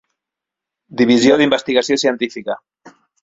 Divisió d'investigació científica.